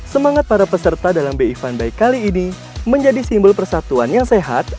semangat para peserta dalam bi fundbike kali ini menjadi simbol persatuan yang sehat